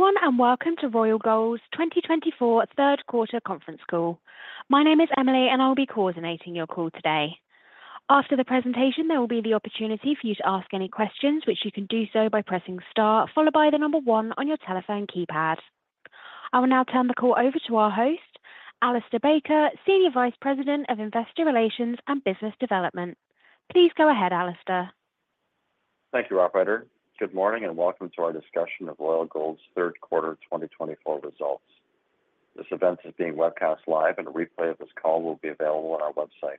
Hello everyone and welcome to Royal Gold's 2024 third quarter conference call. My name is Emily and I'll be coordinating your call today. After the presentation, there will be the opportunity for you to ask any questions, which you can do so by pressing star, followed by the number one on your telephone keypad. I will now turn the call over to our host, Alistair Baker, Senior Vice President of Investor Relations and Business Development. Please go ahead, Alistair. Thank you, Operator Good morning and welcome to our discussion of Royal Gold's third quarter 2024 results. This event is being webcast live and a replay of this call will be available on our website.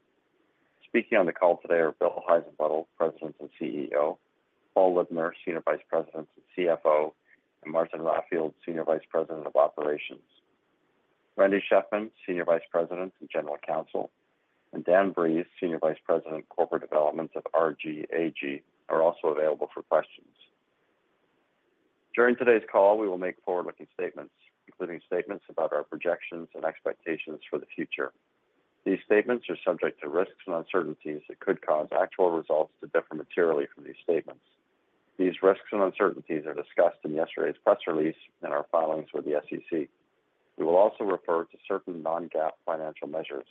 Speaking on the call today are Will Heissenbuttel, President and CEO; Paul Libner, Senior Vice President and CFO; and Martin Raffield, Senior Vice President of Operations; Randy Shefman, Senior Vice President and General Counsel; and Dan Breeze, Senior Vice President and Corporate Development of RGAG, are also available for questions. During today's call, we will make forward-looking statements, including statements about our projections and expectations for the future. These statements are subject to risks and uncertainties that could cause actual results to differ materially from these statements. These risks and uncertainties are discussed in yesterday's press release and are filings with the SEC. We will also refer to certain non-GAAP financial measures,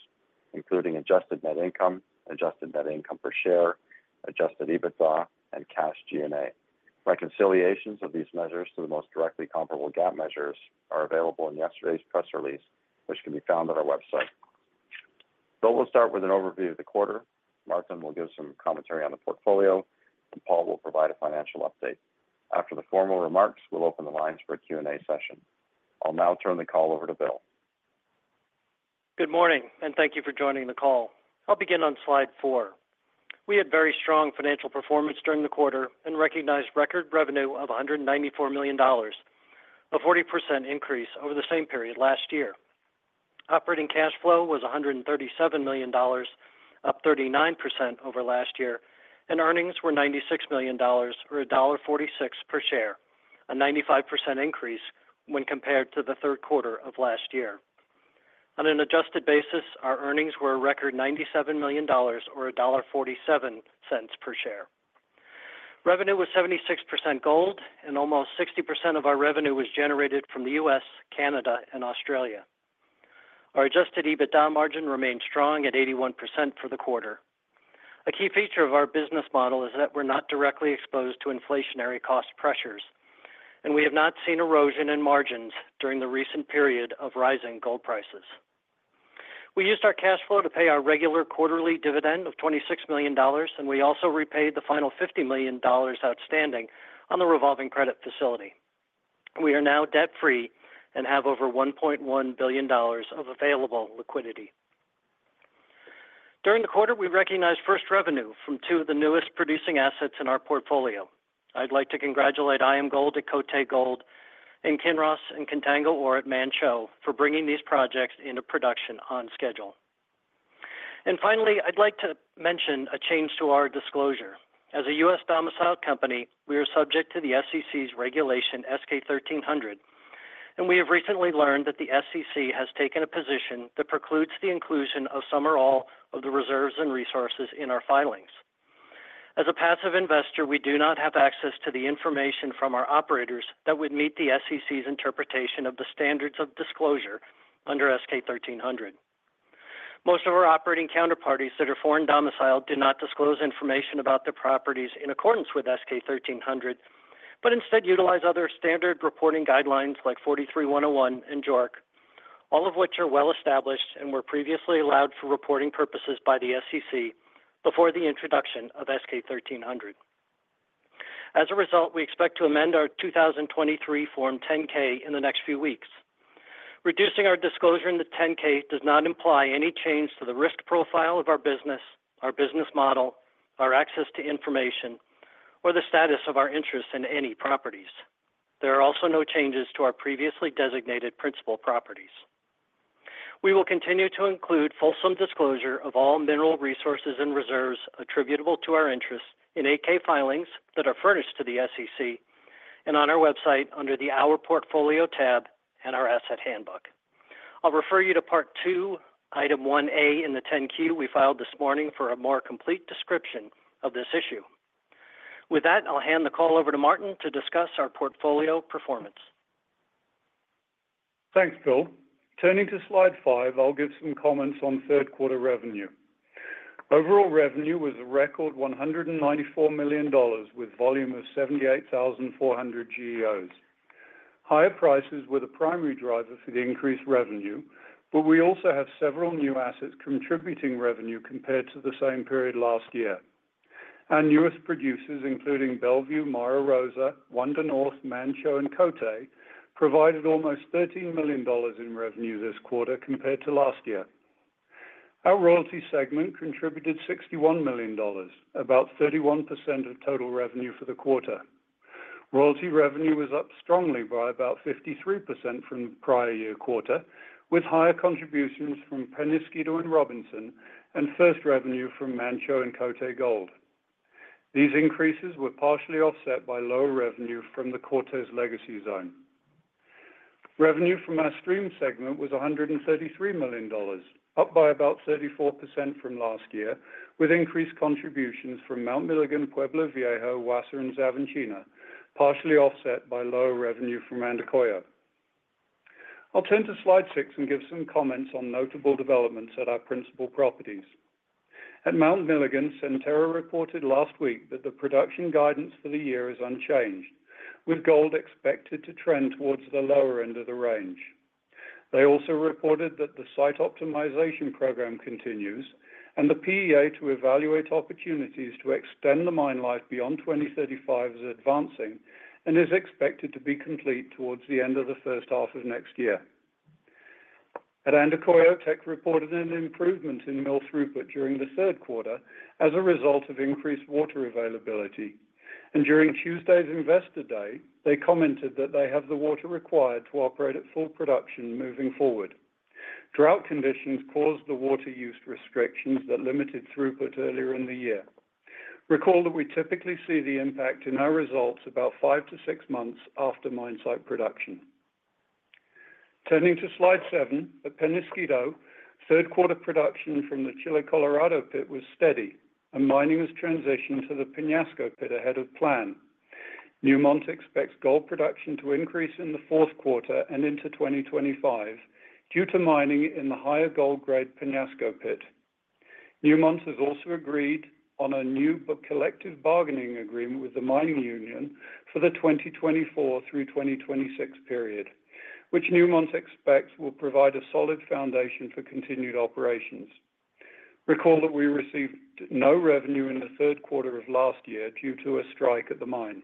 including adjusted net income, adjusted net income per share, adjusted EBITDA, and Cash G&A. Reconciliations of these measures to the most directly comparable GAAP measures are available in yesterday's press release, which can be found at our website. Will will start with an overview of the quarter. Martin will give some commentary on the portfolio, and Paul will provide a financial update. After the formal remarks, we'll open the lines for a Q&A session. I'll now turn the call over to Will. Good morning and thank you for joining the call. I'll begin on slide four. We had very strong financial performance during the quarter and recognized record revenue of $194 million, a 40% increase over the same period last year. Operating cash flow was $137 million, up 39% over last year, and earnings were $96 million, or $1.46 per share, a 95% increase when compared to the third quarter of last year. On an adjusted basis, our earnings were a record $97 million, or $1.47 per share. Revenue was 76% gold, and almost 60% of our revenue was generated from the U.S., Canada, and Australia. Our adjusted EBITDA margin remained strong at 81% for the quarter. A key feature of our business model is that we're not directly exposed to inflationary cost pressures, and we have not seen erosion in margins during the recent period of rising gold prices. We used our cash flow to pay our regular quarterly dividend of $26 million, and we also repaid the final $50 million outstanding on the revolving credit facility. We are now debt-free and have over $1.1 billion of available liquidity. During the quarter, we recognized first revenue from two of the newest producing assets in our portfolio. I'd like to congratulate IAMGOLD at Côté Gold and Kinross and Contango Ore at Manh Choh for bringing these projects into production on schedule. And finally, I'd like to mention a change to our disclosure. As a U.S. domiciled company, we are subject to the SEC's regulation S-K 1300, and we have recently learned that the SEC has taken a position that precludes the inclusion of some or all of the reserves and resources in our filings. As a passive investor, we do not have access to the information from our operators that would meet the SEC's interpretation of the standards of disclosure under S-K 1300. Most of our operating counterparties that are foreign domiciled do not disclose information about their properties in accordance with S-K 1300, but instead utilize other standard reporting guidelines like 43-101 and JORC, all of which are well established and were previously allowed for reporting purposes by the SEC before the introduction of S-K 1300. As a result, we expect to amend our 2023 Form 10-K in the next few weeks. Reducing our disclosure in the 10-K does not imply any change to the risk profile of our business, our business model, our access to information, or the status of our interests in any properties. There are also no changes to our previously designated principal properties. We will continue to include fulsome disclosure of all mineral resources and reserves attributable to our interests in 10-K filings that are furnished to the SEC and on our website under the Our Portfolio tab and our Asset Handbook. I'll refer you to Part II, Item 1A in the 10-Q we filed this morning for a more complete description of this issue. With that, I'll hand the call over to Martin to discuss our portfolio performance. Thanks, Will. Turning to slide five, I'll give some comments on third quarter revenue. Overall revenue was a record $194 million with a volume of 78,400 GEOs. Higher prices were the primary driver for the increased revenue, but we also have several new assets contributing revenue compared to the same period last year. Our newest producers, including Bellevue, Mara Rosa, Venda Nova, Manh Choh, and Côté, provided almost $13 million in revenue this quarter compared to last year. Our royalty segment contributed $61 million, about 31% of total revenue for the quarter. Royalty revenue was up strongly by about 53% from the prior year quarter, with higher contributions from Peñasquito and Robinson and first revenue from Manh Choh and Côté Gold. These increases were partially offset by lower revenue from the Cortez Legacy Zone. Revenue from our stream segment was $133 million, up by about 34% from last year, with increased contributions from Mount Milligan, Pueblo Viejo, Wassa and Xavantina, partially offset by lower revenue from Andacollo. I'll turn to slide six and give some comments on notable developments at our principal properties. At Mount Milligan, Centerra reported last week that the production guidance for the year is unchanged, with gold expected to trend towards the lower end of the range. They also reported that the site optimization program continues and the PEA to evaluate opportunities to extend the mine life beyond 2035 is advancing and is expected to be complete towards the end of the first half of next year. At Andacollo, Teck reported an improvement in mill throughput during the third quarter as a result of increased water availability. During Tuesday's Investor Day, they commented that they have the water required to operate at full production moving forward. Drought conditions caused the water use restrictions that limited throughput earlier in the year. Recall that we typically see the impact in our results about five to six months after mine site production. Turning to slide seven, at Peñasquito, third quarter production from the Chile Colorado pit was steady and mining has transitioned to the Peñasco pit ahead of plan. Newmont expects gold production to increase in the fourth quarter and into 2025 due to mining in the higher gold grade Peñasco pit. Newmont has also agreed on a new collective bargaining agreement with the mining union for the 2024 through 2026 period, which Newmont expects will provide a solid foundation for continued operations. Recall that we received no revenue in the third quarter of last year due to a strike at the mine.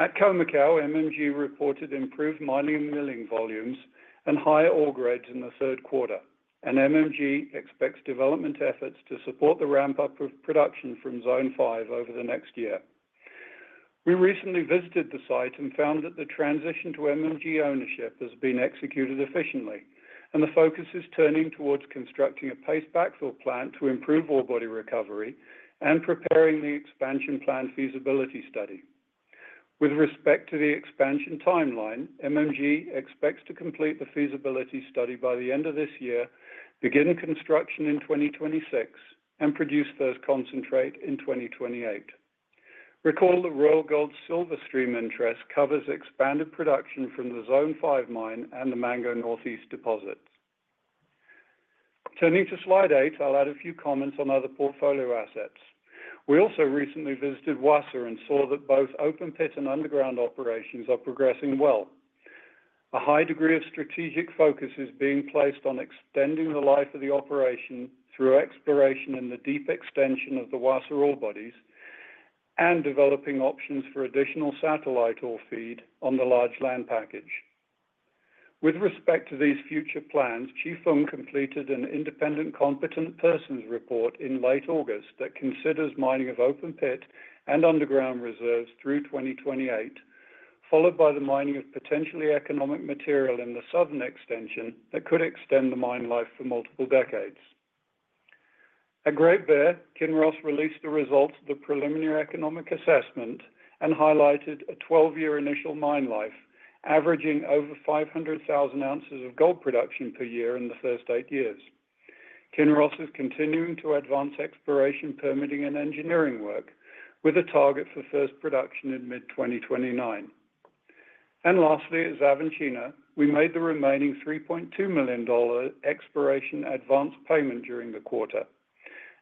At Khoemacau, MMG reported improved mining and milling volumes and higher ore grades in the third quarter, and MMG expects development efforts to support the ramp-up of production from Zone 5 over the next year. We recently visited the site and found that the transition to MMG ownership has been executed efficiently, and the focus is turning towards constructing a paste backfill plant to improve ore body recovery and preparing the expansion plan feasibility study. With respect to the expansion timeline, MMG expects to complete the feasibility study by the end of this year, begin construction in 2026, and produce first concentrate in 2028. Recall that Royal Gold's silver stream interest covers expanded production from the Zone 5 mine and the Mango Northeast deposits. Turning to slide eight, I'll add a few comments on other portfolio assets. We also recently visited Wassa and saw that both open pit and underground operations are progressing well. A high degree of strategic focus is being placed on extending the life of the operation through exploration in the deep extension of the Wassa ore bodies and developing options for additional satellite ore feed on the large land package. With respect to these future plans, Chifeng completed an independent competent persons report in late August that considers mining of open pit and underground reserves through 2028, followed by the mining of potentially economic material in the southern extension that could extend the mine life for multiple decades. At Great Bear, Kinross released the results of the preliminary economic assessment and highlighted a 12-year initial mine life averaging over 500,000 ounces of gold production per year in the first eight years. Kinross is continuing to advance exploration, permitting, and engineering work with a target for first production in mid-2029. And lastly, at Xavantina, we made the remaining $3.2 million exploration advance payment during the quarter.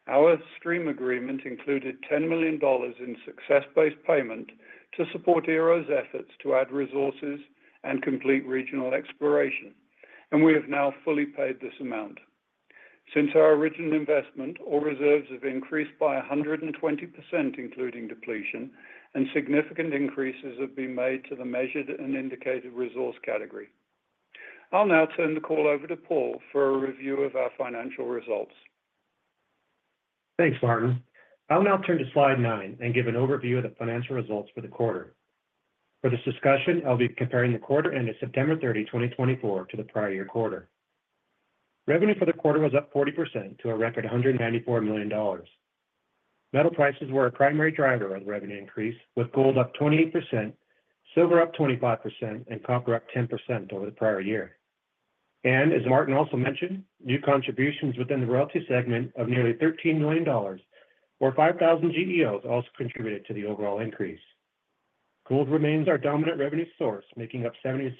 Our stream agreement included $10 million in success-based payment to support ERO's efforts to add resources and complete regional exploration, and we have now fully paid this amount. Since our original investment, ore reserves have increased by 120%, including depletion, and significant increases have been made to the measured and indicated resource category. I'll now turn the call over to Paul for a review of our financial results. Thanks, Martin. I'll now turn to slide nine and give an overview of the financial results for the quarter. For this discussion, I'll be comparing the quarter ended September 30, 2024, to the prior year quarter. Revenue for the quarter was up 40% to a record $194 million. Metal prices were a primary driver of the revenue increase, with gold up 28%, silver up 25%, and copper up 10% over the prior year. And as Martin also mentioned, new contributions within the royalty segment of nearly $13 million or 5,000 GEOs also contributed to the overall increase. Gold remains our dominant revenue source, making up 76%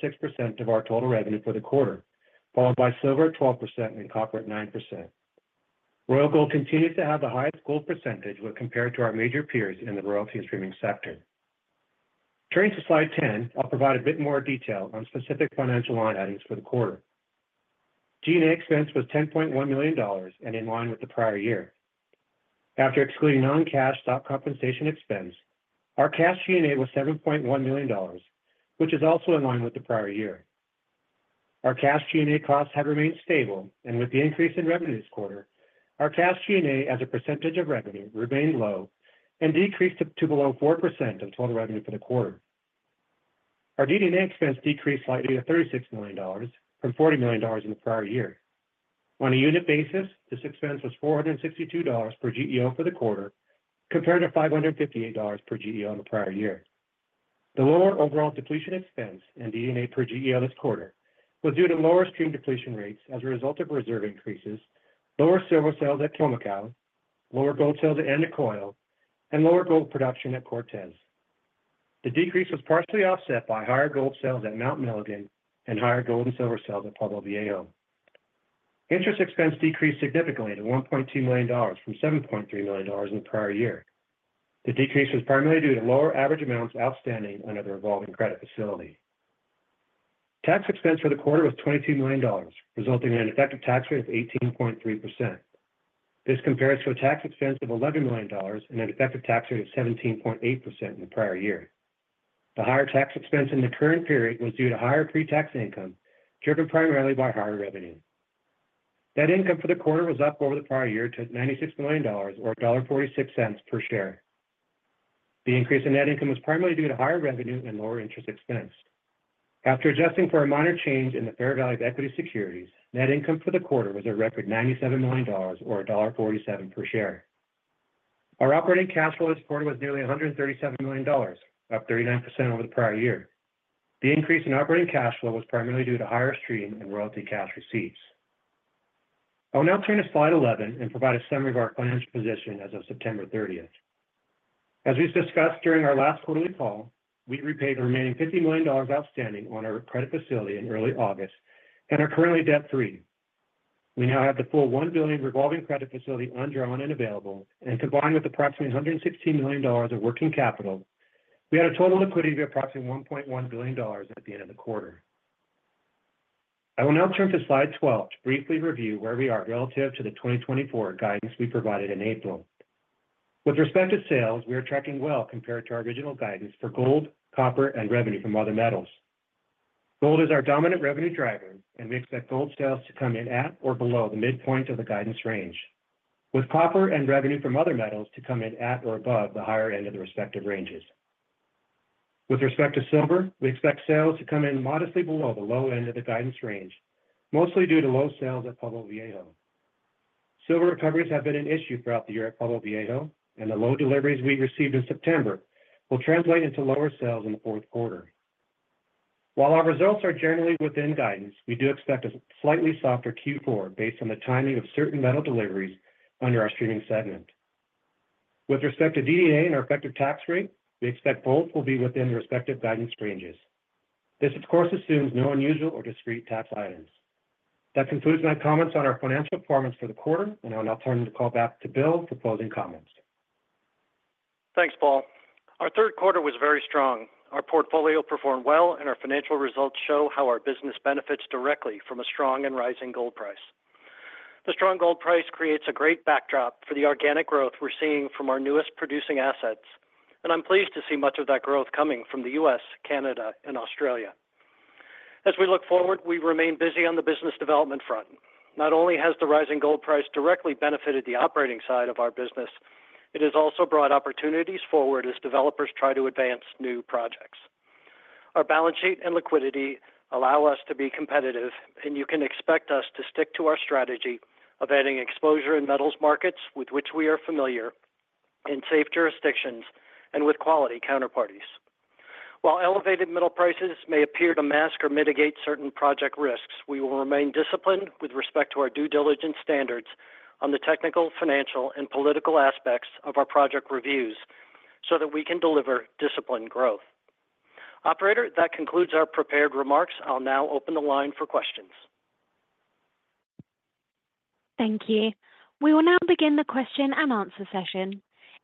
of our total revenue for the quarter, followed by silver at 12% and copper at 9%. Royal Gold continues to have the highest gold percentage when compared to our major peers in the royalty streaming sector. Turning to slide 10, I'll provide a bit more detail on specific financial line items for the quarter. G&A expense was $10.1 million and in line with the prior year. After excluding non-cash stock compensation expense, our cash G&A was $7.1 million, which is also in line with the prior year. Our cash G&A costs have remained stable, and with the increase in revenue this quarter, our cash G&A as a percentage of revenue remained low and decreased to below 4% of total revenue for the quarter. Our D&A expense decreased slightly to $36 million from $40 million in the prior year. On a unit basis, this expense was $462 per GEO for the quarter, compared to $558 per GEO in the prior year. The lower overall depletion expense and D&A per GEO this quarter was due to lower stream depletion rates as a result of reserve increases, lower silver sales at Khoemacau lower gold sales at Andacollo, and lower gold production at Cortez. The decrease was partially offset by higher gold sales at Mount Milligan and higher gold and silver sales at Pueblo Viejo. Interest expense decreased significantly to $1.2 million from $7.3 million in the prior year. The decrease was primarily due to lower average amounts outstanding under the revolving credit facility. Tax expense for the quarter was $22 million, resulting in an effective tax rate of 18.3%. This compares to a tax expense of $11 million and an effective tax rate of 17.8% in the prior year. The higher tax expense in the current period was due to higher pre-tax income driven primarily by higher revenue. Net income for the quarter was up over the prior year to $96 million or $1.46 per share. The increase in net income was primarily due to higher revenue and lower interest expense. After adjusting for a minor change in the fair value of equity securities, net income for the quarter was a record $97 million or $1.47 per share. Our operating cash flow this quarter was nearly $137 million, up 39% over the prior year. The increase in operating cash flow was primarily due to higher stream and royalty cash receipts. I'll now turn to slide 11 and provide a summary of our financial position as of September 30th. As we've discussed during our last quarterly call, we repaid the remaining $50 million outstanding on our credit facility in early August and are currently debt free. We now have the full $1 billion revolving credit facility undrawn and available, and combined with approximately $116 million of working capital, we had a total liquidity of approximately $1.1 billion at the end of the quarter. I will now turn to slide 12 to briefly review where we are relative to the 2024 guidance we provided in April. With respect to sales, we are tracking well compared to our original guidance for gold, copper, and revenue from other metals. Gold is our dominant revenue driver, and we expect gold sales to come in at or below the midpoint of the guidance range, with copper and revenue from other metals to come in at or above the higher end of the respective ranges. With respect to silver, we expect sales to come in modestly below the low end of the guidance range, mostly due to low sales at Pueblo Viejo. Silver recoveries have been an issue throughout the year at Pueblo Viejo, and the low deliveries we received in September will translate into lower sales in the fourth quarter. While our results are generally within guidance, we do expect a slightly softer Q4 based on the timing of certain metal deliveries under our streaming segment. With respect to D&A and our effective tax rate, we expect both will be within the respective guidance ranges. This, of course, assumes no unusual or discrete tax items. That concludes my comments on our financial performance for the quarter, and I'll now turn the call back to Bill for closing comments. Thanks, Paul. Our third quarter was very strong. Our portfolio performed well, and our financial results show how our business benefits directly from a strong and rising gold price. The strong gold price creates a great backdrop for the organic growth we're seeing from our newest producing assets, and I'm pleased to see much of that growth coming from the U.S., Canada, and Australia. As we look forward, we remain busy on the business development front. Not only has the rising gold price directly benefited the operating side of our business, it has also brought opportunities forward as developers try to advance new projects. Our balance sheet and liquidity allow us to be competitive, and you can expect us to stick to our strategy of adding exposure in metals markets with which we are familiar in safe jurisdictions and with quality counterparties. While elevated metal prices may appear to mask or mitigate certain project risks, we will remain disciplined with respect to our due diligence standards on the technical, financial, and political aspects of our project reviews so that we can deliver disciplined growth. Operator, that concludes our prepared remarks. I'll now open the line for questions. Thank you. We will now begin the question and answer session.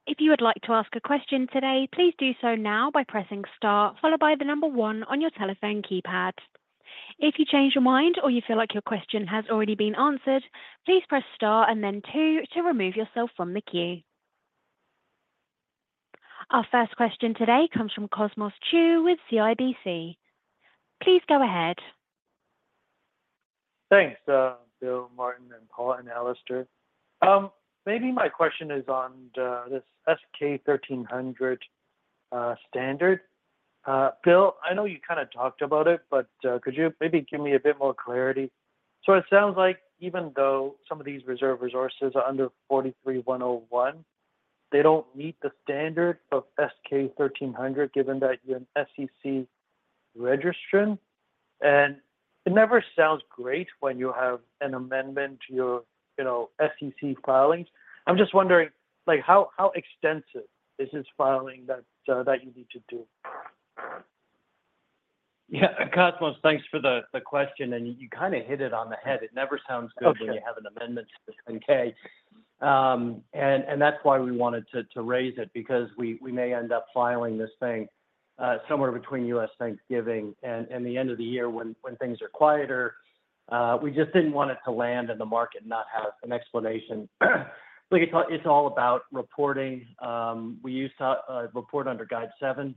If you would like to ask a question today, please do so now by pressing star, followed by the number one on your telephone keypad. If you change your mind or you feel like your question has already been answered, please press star and then two to remove yourself from the queue. Our first question today comes from Cosmos Chiu with CIBC. Please go ahead. Thanks, Will, Martin, and Paul, and Alistair. Maybe my question is on this S-K 1300 standard. Will, I know you kind of talked about it, but could you maybe give me a bit more clarity? So it sounds like even though some of these reserves and resources are under 43-101, they don't meet the standard for S-K 1300 given that you're an SEC registrant, and it never sounds great when you have an amendment to your SEC filings. I'm just wondering, how extensive is this filing that you need to do? Yeah, Cosmos, thanks for the question, and you kind of hit it on the head. It never sounds good when you have an amendment to the 10-K, and that's why we wanted to raise it, because we may end up filing this thing somewhere between U.S. Thanksgiving and the end of the year when things are quieter. We just didn't want it to land in the market and not have an explanation. It's all about reporting. We used to report under Guide 7.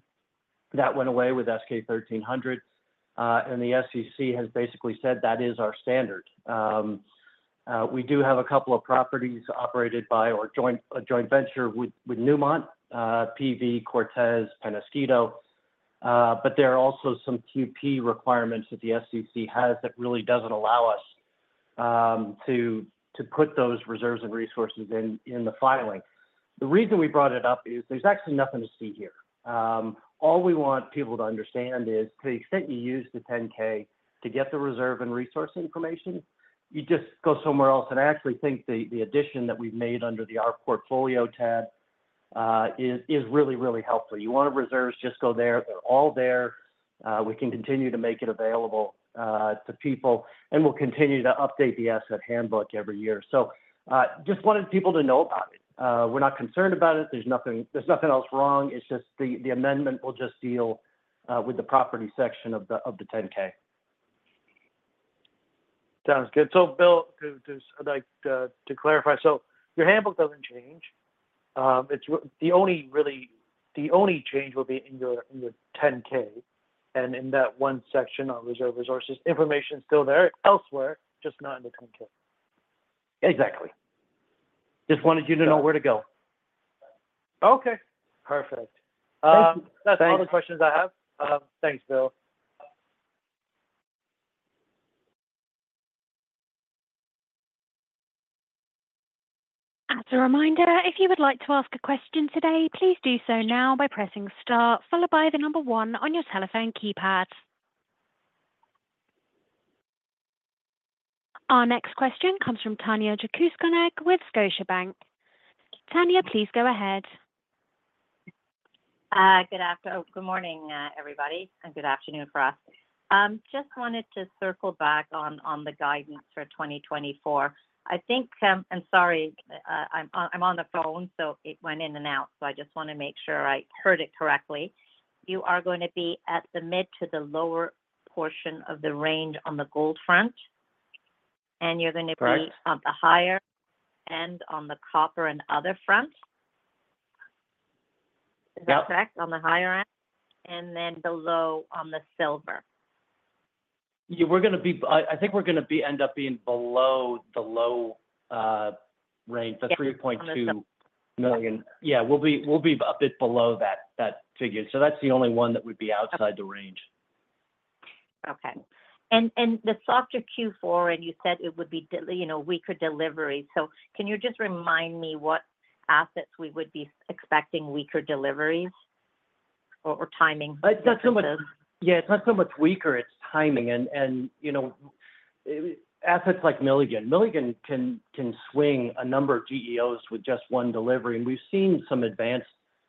That went away with SK1300, and the SEC has basically said that is our standard. We do have a couple of properties operated by a joint venture with Newmont, PV, Cortez, Peñasquito, but there are also some QP requirements that the SEC has that really doesn't allow us to put those reserves and resources in the filing. The reason we brought it up is there's actually nothing to see here. All we want people to understand is, to the extent you use the 10-K to get the reserve and resource information, you just go somewhere else, and I actually think the addition that we've made under the Our Portfolio tab is really, really helpful. You want reserves, just go there. They're all there. We can continue to make it available to people, and we'll continue to update the asset handbook every year. So just wanted people to know about it. We're not concerned about it. There's nothing else wrong. It's just the amendment will just deal with the property section of the 10-K. Sounds good, so Will, to clarify, so your handbook doesn't change. The only change will be in your 10-K and in that one section on reserves and resources. Information's still there elsewhere, just not in the 10-K. Exactly. Just wanted you to know where to go. Okay. Perfect. That's all the questions I have. Thanks, Will. As a reminder, if you would like to ask a question today, please do so now by pressing star, followed by the number one on your telephone keypad. Our next question comes from Tanya Jakusconek with Scotiabank. Tanya, please go ahead. Good afternoon. Good morning, everybody, and good afternoon for us. Just wanted to circle back on the guidance for 2024. I think, and sorry, I'm on the phone, so it went in and out, so I just want to make sure I heard it correctly. You are going to be at the mid to the lower portion of the range on the gold front, and you're going to be on the higher end on the copper and other front. Is that correct? On the higher end? And then below on the silver. Yeah, we're going to be. I think we're going to end up being below the low range, the 3.2 million. Yeah, we'll be a bit below that figure. So that's the only one that would be outside the range. Okay. And the softer Q4, and you said it would be weaker deliveries. So can you just remind me what assets we would be expecting weaker deliveries or timing? Yeah, it's not so much weaker, it's timing and assets like Milligan. Milligan can swing a number of GEOs with just one delivery, and we've seen some advanced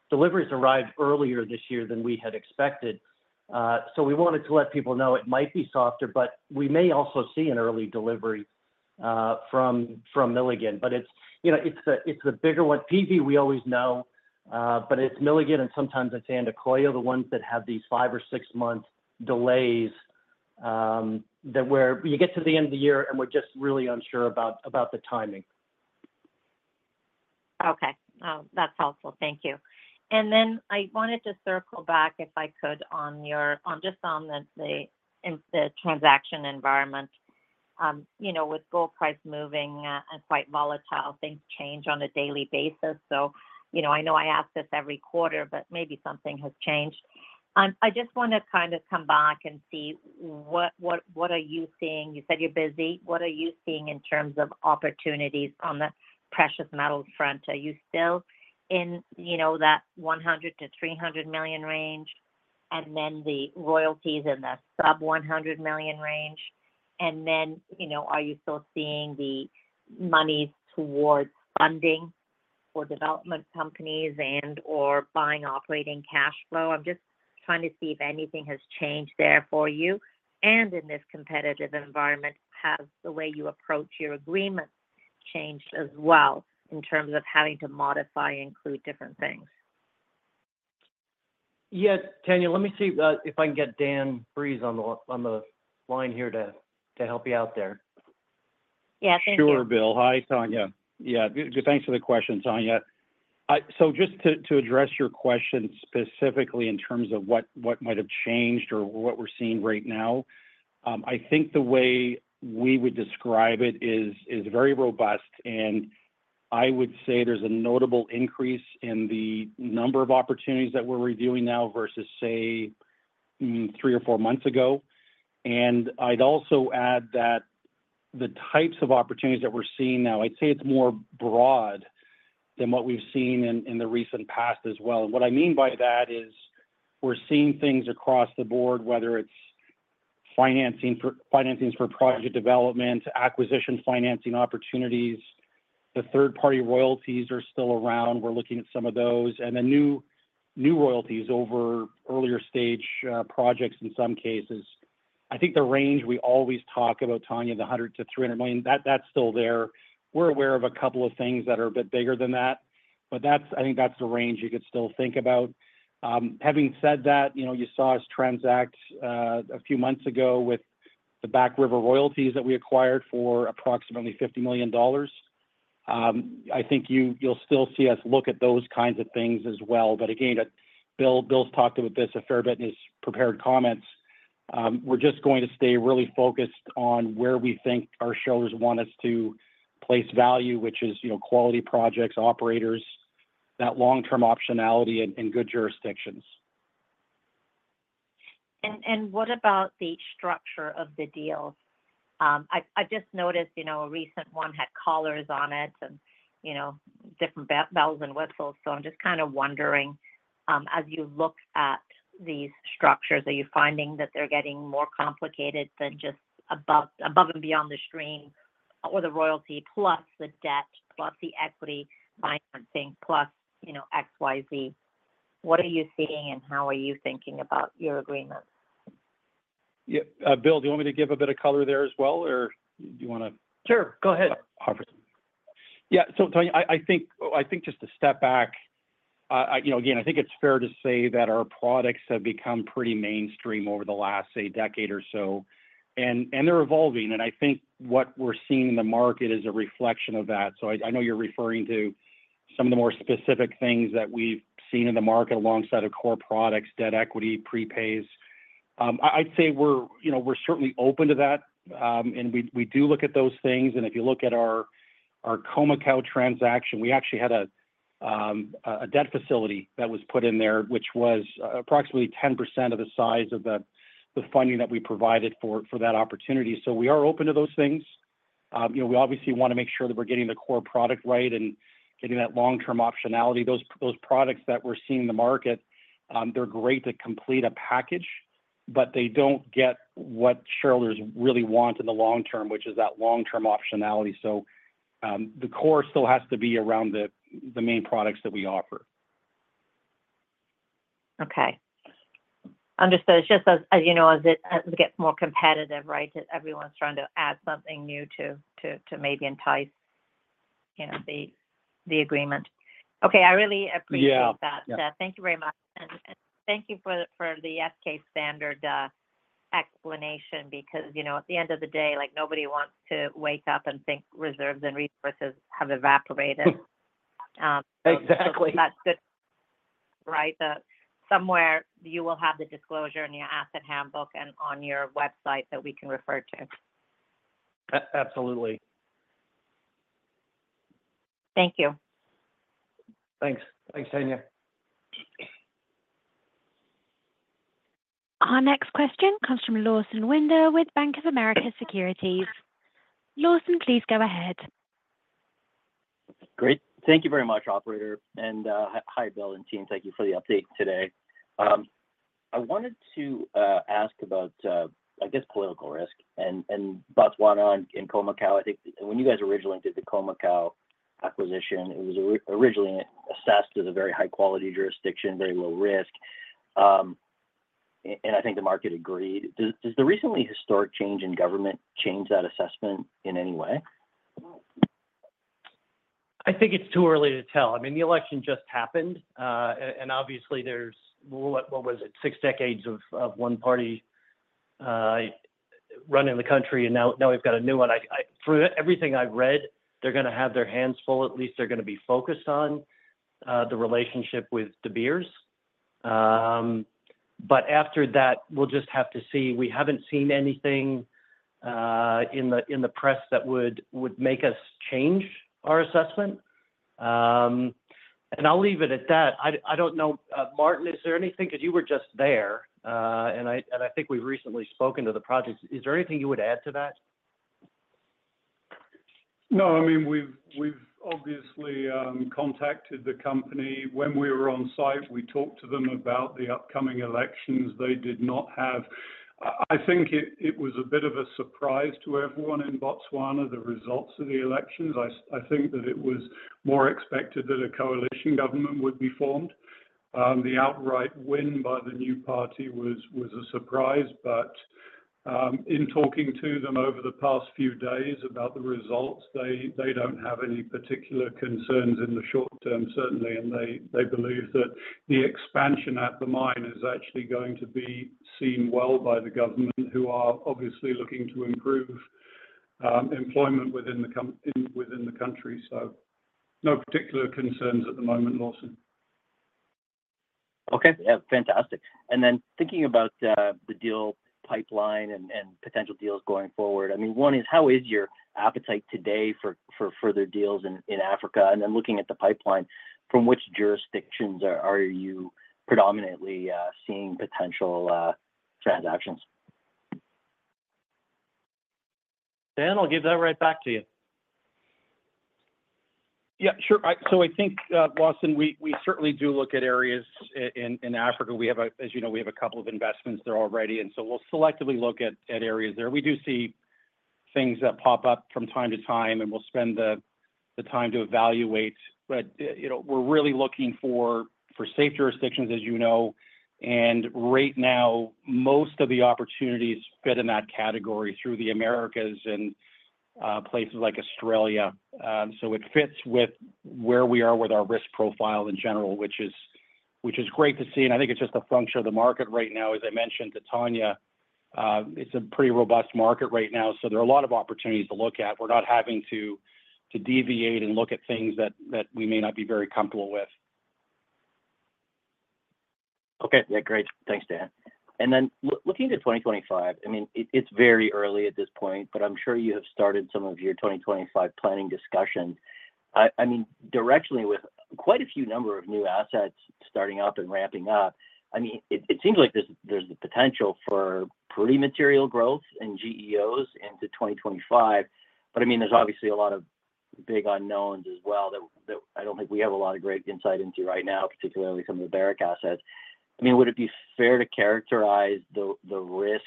deliveries arrive earlier this year than we had expected. So we wanted to let people know it might be softer, but we may also see an early delivery from Milligan. But it's the bigger one. PV, we always know, but it's Milligan, and sometimes it's Andacollo, the ones that have these five- or six-month delays that where you get to the end of the year and we're just really unsure about the timing. Okay. That's helpful. Thank you. And then I wanted to circle back, if I could, just on the transaction environment. With gold price moving and quite volatile, things change on a daily basis. So I know I ask this every quarter, but maybe something has changed. I just want to kind of come back and see what are you seeing? You said you're busy. What are you seeing in terms of opportunities on the precious metals front? Are you still in that $100-$300 million range, and then the royalties in the sub-$100 million range? And then are you still seeing the monies towards funding for development companies and/or buying operating cash flow? I'm just trying to see if anything has changed there for you. In this competitive environment, has the way you approach your agreements changed as well in terms of having to modify and include different things? Yeah, Tanya, let me see if I can get Dan Breeze on the line here to help you out there. Yeah, thank you. Sure, Will. Hi, Tanya. Yeah, thanks for the question, Tanya. So just to address your question specifically in terms of what might have changed or what we're seeing right now, I think the way we would describe it is very robust, and I would say there's a notable increase in the number of opportunities that we're reviewing now versus, say, three or four months ago. And I'd also add that the types of opportunities that we're seeing now, I'd say it's more broad than what we've seen in the recent past as well. And what I mean by that is we're seeing things across the board, whether it's financing for project development, acquisition financing opportunities. The third-party royalties are still around. We're looking at some of those, and the new royalties over earlier stage projects in some cases. I think the range we always talk about, Tanya, the $100 million-$300 million, that's still there. We're aware of a couple of things that are a bit bigger than that, but I think that's the range you could still think about. Having said that, you saw us transact a few months ago with the Back River royalties that we acquired for approximately $50 million. I think you'll still see us look at those kinds of things as well. But again, Will's talked about this a fair bit in his prepared comments. We're just going to stay really focused on where we think our shareholders want us to place value, which is quality projects, operators, that long-term optionality, and good jurisdictions. What about the structure of the deals? I just noticed a recent one had collars on it and different bells and whistles. I'm just kind of wondering, as you look at these structures, are you finding that they're getting more complicated than just above and beyond the stream or the royalty plus the debt plus the equity financing plus X, Y, Z? What are you seeing, and how are you thinking about your agreements? Yeah, Will, do you want me to give a bit of color there as well, or do you want to? Sure. Go ahead. Yeah. So Tay that our products have become pretty mainstream over the last, say, decade or so, and they're evolving. And I think what we're seeing in the market is a reflection of that. So I know you're referring to some of the more specific things that we've seen in the market alongside of core products, debt equity, prepays. I'd say we're certainly open to that, and we do look at those things. And if you look at our Khoemacau transaction, we actually had a debt facility that was put in there, which was approximately 10% of the size of the funding that we provided for that opportunity. So we are open to those things. We obviously want to make sure that we're getting the core product right and getting that long-term optionality. Those products that we're seeing in the market, they're great to complete a package, but they don't get what shareholders really want in the long term, which is that long-term optionality, so the core still has to be around the main products that we offer. Okay. Understood. It's just, as you know, as it gets more competitive, right, everyone's trying to add something new to maybe entice the agreement. Okay. I really appreciate that. Thank you very much, and thank you for the S-K standard explanation, because at the end of the day, nobody wants to wake up and think reserves and resources have evaporated. Exactly. That's good, right? Somewhere you will have the disclosure in your asset handbook and on your website that we can refer to. Absolutely. Thank you. Thanks. Thanks, Tanya. Our next question comes from Lawson Winder with Bank of America Securities. Lawson, please go ahead. Great. Thank you very much, Operator. And hi, Will and team. Thank you for the update today. I wanted to ask about, I guess, political risk and Botswana in Khoemacau. I think when you guys originally did the Khoemacau acquisition, it was originally assessed as a very high-quality jurisdiction, very low risk, and I think the market agreed. Does the recently historic change in government change that assessment in any way? I think it's too early to tell. I mean, the election just happened, and obviously, there's what was it? Six decades of one party running the country, and now we've got a new one. Through everything I've read, they're going to have their hands full. At least they're going to be focused on the relationship with De Beers. But after that, we'll just have to see. We haven't seen anything in the press that would make us change our assessment. And I'll leave it at that. I don't know, Martin, is there anything because you were just there, and I think we've recently spoken to the projects. Is there anything you would add to that? No, I mean, we've obviously contacted the company. When we were on site, we talked to them about the upcoming elections. They did not have. I think it was a bit of a surprise to everyone in Botswana the results of the elections. I think that it was more expected that a coalition government would be formed. The outright win by the new party was a surprise, but in talking to them over the past few days about the results, they don't have any particular concerns in the short term, certainly, and they believe that the expansion at the mine is actually going to be seen well by the government, who are obviously looking to improve employment within the country, so no particular concerns at the moment, Lawson. Okay. Yeah, fantastic. And then thinking about the deal pipeline and potential deals going forward, I mean, one is how is your appetite today for further deals in Africa? And then looking at the pipeline, from which jurisdictions are you predominantly seeing potential transactions? Dan, I'll give that right back to you. Yeah, sure. So I think, Lawson, we certainly do look at areas in Africa. As you know, we have a couple of investments there already, and so we'll selectively look at areas there. We do see things that pop up from time to time, and we'll spend the time to evaluate. But we're really looking for safe jurisdictions, as you know. And right now, most of the opportunities fit in that category through the Americas and places like Australia. So it fits with where we are with our risk profile in general, which is great to see. And I think it's just a function of the market right now. As I mentioned to Tanya, it's a pretty robust market right now. So there are a lot of opportunities to look at. We're not having to deviate and look at things that we may not be very comfortable with. Okay. Yeah, great. Thanks, Dan. And then looking to 2025, I mean, it's very early at this point, but I'm sure you have started some of your 2025 planning discussions. I mean, directly with quite a few number of new assets starting up and ramping up, I mean, it seems like there's the potential for pretty material growth in GEOs into 2025. But I mean, there's obviously a lot of big unknowns as well that I don't think we have a lot of great insight into right now, particularly some of the Barrick assets. I mean, would it be fair to characterize the risk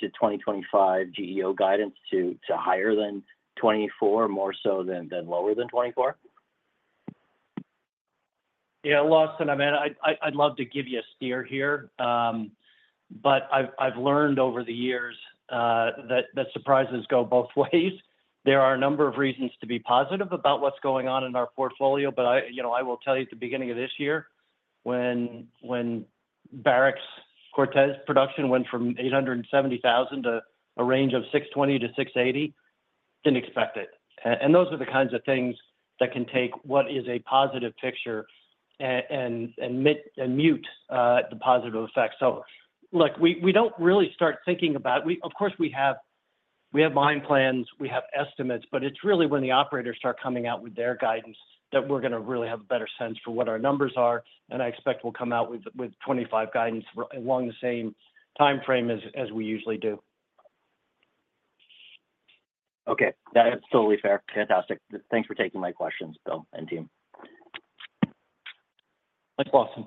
to 2025 GEO guidance to higher than 24, more so than lower than 24? Yeah, Lawson, I mean, I'd love to give you a steer here, but I've learned over the years that surprises go both ways. There are a number of reasons to be positive about what's going on in our portfolio, but I will tell you at the beginning of this year, when Barrick's Cortez production went from 870,000 to a range of 620-680, didn't expect it. Those are the kinds of things that can take what is a positive picture and mute the positive effect. Look, we don't really start thinking about. Of course, we have mine plans, we have estimates, but it's really when the operators start coming out with their guidance that we're going to really have a better sense for what our numbers are. I expect we'll come out with 2025 guidance along the same timeframe as we usually do. Okay. That's totally fair. Fantastic. Thanks for taking my questions, Will and team. Thanks, Lawson.